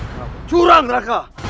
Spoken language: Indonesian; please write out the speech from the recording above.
kamu curang raka